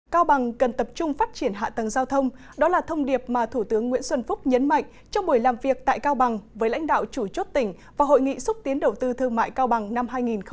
cao bằng cần tập trung phát triển hạ tầng giao thông đó là thông điệp mà thủ tướng nguyễn xuân phúc nhấn mạnh trong buổi làm việc tại cao bằng với lãnh đạo chủ chốt tỉnh và hội nghị xúc tiến đầu tư thương mại cao bằng năm hai nghìn một mươi chín